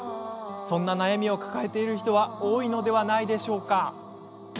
そんな悩みを抱えている人は多いのではないでしょうか？